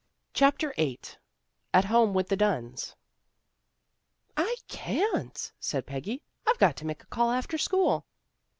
CHAPTER VIII AT HOME WITH THE DUNNS " I CAN'T," said Peggy. " I've got to make a call after school."